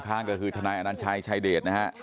ข้างก็คือทนายอนัญชัยชายเดชนะฮะ